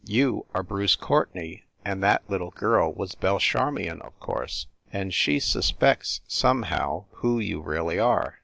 You are Bruce Courtenay, and that little girl was Belle Charmion, of course and she suspects, somehow, who you really are!